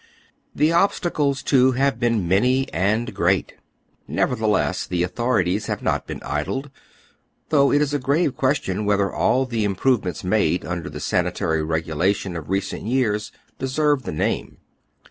The ob stacles, too, have been many and great. Nevertheless the authorities have not been idle, though it is a grave ques tion whether all the improvements made under the sani tary regulations of i ecent years deserve tiie name.